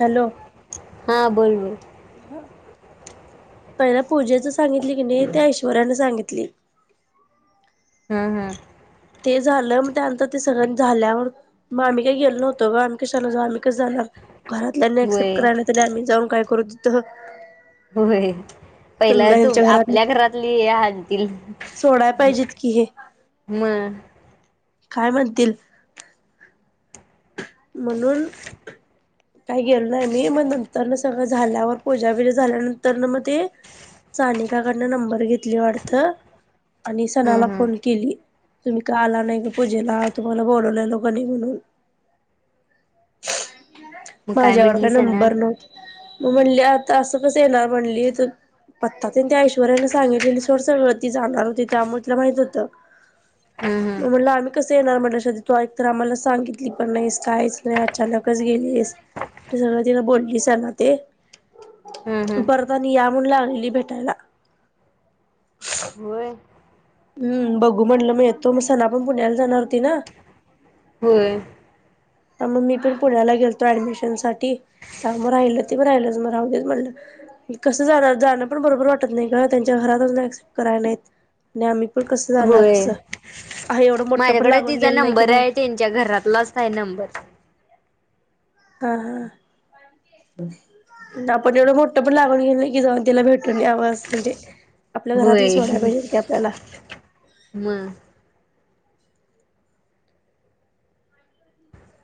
Hello हा बोल ब पहिला पूजेच सांगितली की नाही ते ऐश्वरा्यानें सांगितली हम हम ते झालं मग त्यानंतर ते सगळ्यां झाल्यावर मग आम्ही काही गेलो नव्हतो ग आम्ही कशा जा आम्ही कस जाणार घरातल्या ऍक्सेप्ट होय करराण्यात आ आम्ही जाऊन काय करून तिथ हो पहिला तू आपल्या घरातली हे हतील सोडाय पाहिजेत की हे म काय म्हणतील म्हणून काही गेलो नाही मी मग नंतर न सगळं झाल्यावर पूजा बजा झाल्यानंतर न मग ते सानिकाकडनं नंबर घेतली वाढत आणि ह सणाला ह फोन केली तुम्ही का आला नाही का पूजेला तुम्हाला बोलवले लोकांनी म्हणून मग माझ्यावर काय म्हटलीस ना नंबर नवत मग म्हणली आता असं कस येणार म्हणली तर पत्ता त्यां त्या ऐश्वर्याने सांगितलेली सडसळ वळती जाणार होती त्यामुळे तलं माहित होत ह ह म्हटलं आम्ही कसं येणार म्हट श तो एक तर आम्हाला सांगितली पण नाही कायच नाही अचानकच गेलीस ते सगळं तिला बोललीस ना ते ह ह बरदानी या म्हण लागलेली भेटायला होय [inaudible] हम्म बघू म्हटलं म य तो म सना आपण पुण्याला जाणार होती ना होम मग मी पण पुण्याला गेलतो ऍडमिशन साठी ां मग राहिलं ते मग राहिलंच मग राहलीच म्हणलं कसं जाणार जाणं पण बरोबर वाटत नाही का त्यांच्या घर क्सेप कराय नाहीत आणि आम्ही पण कसं जाणार होय असं आहे एवढं मोठं पण माझ्याकडे लागून तिचा गेलं नाही की नंबर बा आहे त्यांच्या घरातलाच आहे नंबर हा हा. आपण एवढं मोठं पण लागून घेल ना की जाऊन तिला भेटून यावं असं म्हणजे आपल्या घरातली होय सोड्या भेटत की आपल्याला. मग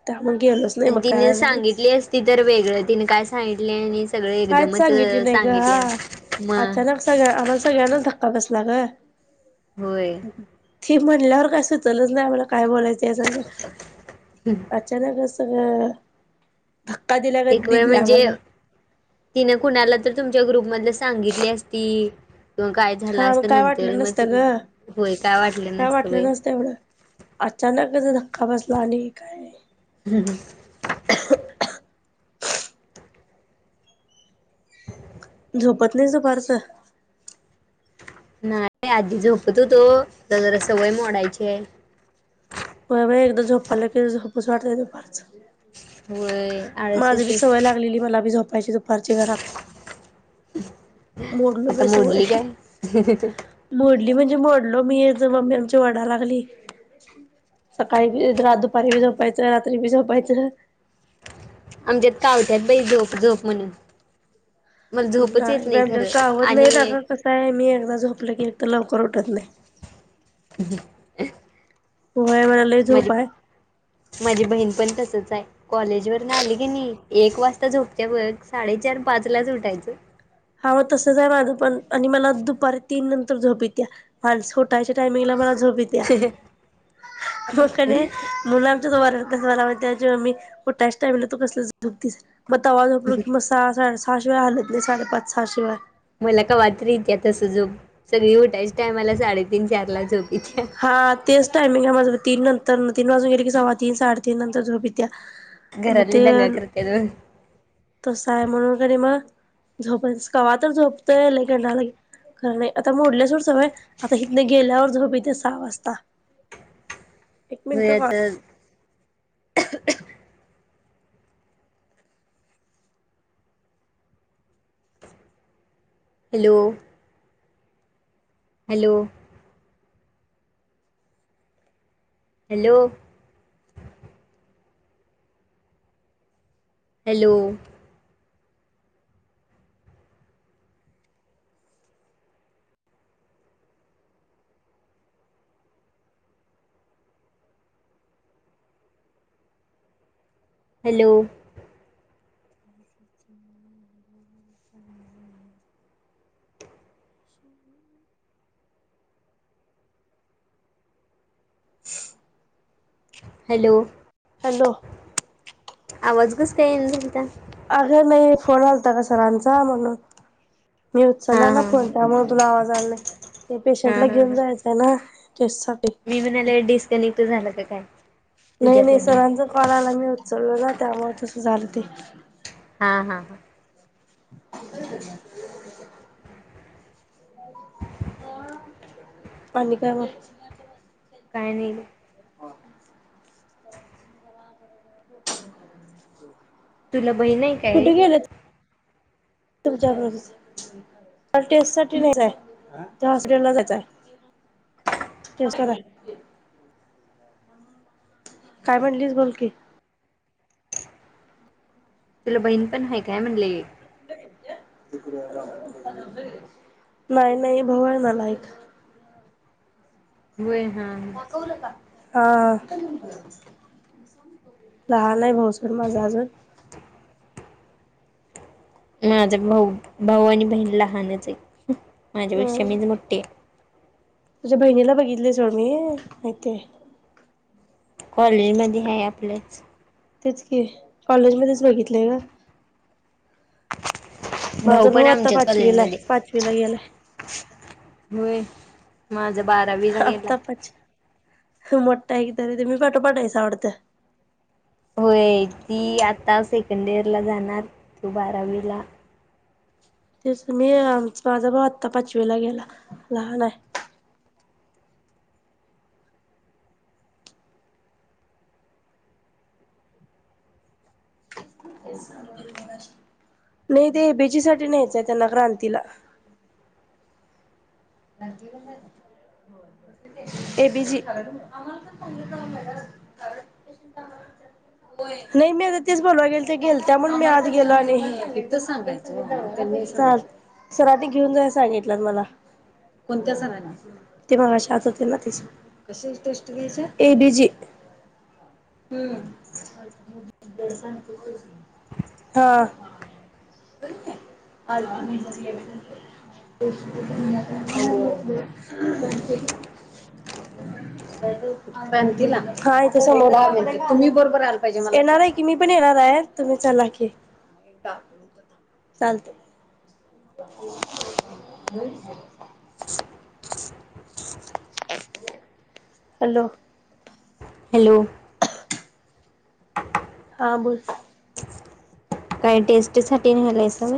त्यामुळे गेलोच नाही आणि मग काय तिने नाहीच सांगितली असती तर वेगळं तिने काय सांगितले आणि सगळे कायच एकदमच सांगितली नाही ग सांगितले आ मग अचानक सगळ्या आम्हाला सगळ्यांनाच धक्का बसला ग. होय. ही म्हणल्यावर काही सुचलच नाही आम्हाला काय बोलायचं तिच्या संग अचानकच होय धक्का दिल्यागत एक वेळ दिली म्हणजे आम्हाला. तिने कुणाला तर तुमच्या ग्रुप मध्ये सांगितली असती म काय झालं हा असत मग काय नंतर वाटलं मग नसतं त ग होय काय वाटलं नसतं बाय. अचानकच धक्का बसला आणि काय झोपत नाहीस दुपारचं? नाही आधी झोपत होतो ता जरा सवय मोडायचीये. उस वाटले दुपारच. होय आळस माझ बी येतोय सवय लागलेली मला बी झोपायची दुपारची घरात. मोडलो ग आता मोडली सवय काय? मोडली म्हण. मोडलो मी आमची मम्मी आमची वरडाया लागली. सकाळी बी, ईदरा दुपारी बी, झोपायचं रात्री बी झोपायचं. आमच्यात कावत्यात बाई झोप-झोप म्हणून. मला झोपच येत नाही बाई आमच्या खरं कावत नाही आणि टाका कस आहे मी एकदा झोपलं की एक तर लवकर उठ उठत नाही. हम्म. होय मला लय झोप आहे. माझी-माझी बहीण पण तसच आहे कॉलेज वरन आली की मी एक वाजता झोपते बघ साडेचार पाच लाच ऊटायचं. हावो तसा जरा अगपण आणि मला दुपारी तीन नंतर झोप यित्या आलस उठायच्या टायमिंगला मला झोप यित्या मग की नाई मुलांच्या [unintelligible] कसं झालं माहीतेय. जेव्हा मी ऊठ्याच टाईमला तु कसल झोपतीस मग तवा झोपलो की मस सहा साडेसहा अशा हालत नाही साडे पाच सहा शीवाय. मला कवातरी इत्या तसं झोप सगळी उठायची टायमाला साडेतीन चार ला झोप येत्या. हा तेच टायमिंग आहे माझं तीन नंतर तीन वाजून गेले की सव्वा तीन साडेतीन नंतर झोप येत्या. म घरातली ते दंगा करत्यात बघ. तस आहे म्हणून कणी मग झोप स कवा तर झोपते लई कंटाळा आले की खरं नाही आता मोडल्या सोड सवय आता इथनं गेल्यावर झोप येतेच. का वास्ता. [unintelligible] Hello. Hello. Hello. Hello. Hello. [unintelligible] Hello. Hello. आवाज कस काय येईना झालता? अग नाही फोन आलता का सरांचा म्हणून. मी हा उचलला ना हा फोन त्यामुळे तुला आवाज आला नाही ते हा पेशंटला हा घेऊन हा जायचंय ना. टेस्ट साठी मी म्हणाले डिस्कनेक्ट झाला की काय? नाही-नाही तुझ्याकडनं सरांचा कॉल आला मी उचललेला त्यामुळे तसं झालं ते. हा-हा-हा. [unintelligible] अन काय काही नाई ग [unintelligible] तुला बहीण आहे का कुठे एक? गेले तुमच्या बरोबर टेस्ट सा नाहीचय. त्या हॉस्पिटल ला जायचंय. नमस्कार आहे. काय म्हटलीस बोल की तुला बहीण पण आहे काय म्हणले. [unintelligible] नाही नाही भाऊ आहे मला एक. होय. हा हा. लहान आहे भाऊ सर अजून माझा भाऊ भाऊ आणि बहीण लहानच आहे, अ माझ्यापेक्षा मी मोठी आहे. तुझ्या बहिणीला बघितले सोड मी माहतीय. कॉलेज मध्ये आहे आपलंच तेच की कॉलेज मध्येच बघितलंय का. भाऊ पण आमच्याच पाचवीला आहे कॉलेजमधे पाचवीला गेलाय होय. माझी बारावी झाली आता आत्ता पाचवी मोठा एक तरी ते मी पाठोपाठायचं आवडतं. होय ती आता सेकंड इयर ला जाणार बारावीला तेवस मी आम माझा भा आत्ता पाचवीला गेला लहान आहे. नाही ते बीचीी साठी नाहीच आहे त्यांना क्रांतीला नगि [unintelligible] एबीजी नाही मी आता तेच बोलवा गेल ते गेल त्या म्हण मी आज गेलो आणिांगायच सरांनी घेऊन जाय सांगितलं मला कोणत्या सरांनी ते मागाशी आत होते ना ते सरकशाची टेस्ट घेतात एडिजी हम दर्शन कर. हा. आ [unintelligible] [unintelligible] ाथ समोर तुम्ही बरोबरला पाहिजे येणार आहे की मी पण येणार आहे तुम्ही चाला की चालते. हम. हॅलो. हॅलो. [unintelligible] हा बस. काही टेस्ट सा नाहीलंय सग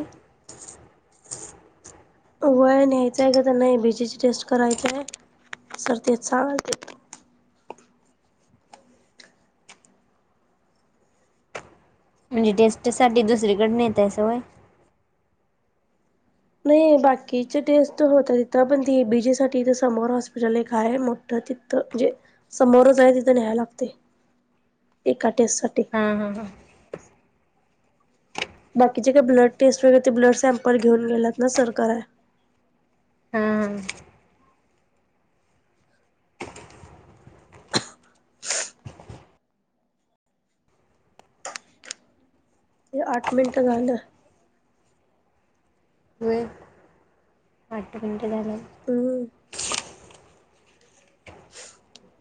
वय न्यायचंय का त्यां नाही ए बीजी टेस्ट करायचय. सर्तीचछ वालते. म्हणजे टेस्ट साठी दुसरीकडन येत आहे सवय. नाही बाकीचे टेस्ट तर होत तथं पण ते एबीजी साठी समोर हॉस्पिटल एकय मोठ त म्हणे समोरच आहे तिथ न्याय लागते. टेस्ट साठी हा हा हा. बाकीचे काय ब्लड टेस्ट वगैरे ते ब्लड सॅम्पल घेऊन गेलात ना सरकार आहे. हा हम. ते अठ मिनट झाल. होय आठ मिनट झालं हं. [inaudible]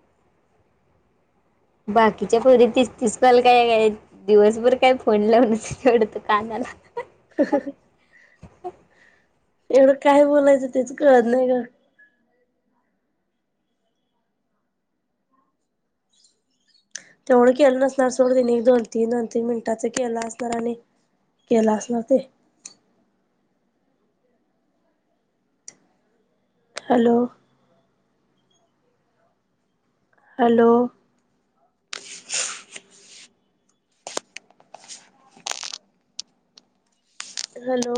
बाकीच्या पोरी तीस तीस कॉल काय दिवसभर काय फोन लावूनच ठेवत कानाला. [inaudible] [inaudible] एवढं काय बोलायचं, तेच कळत नाही गं. तेवढं केलं नसणार सोडं तेनी, एक दोन तीन दोन तीन मिनिटांच केलं असणार आणि केलं असणार ते. हॅलो. हॅलो. हॅलो.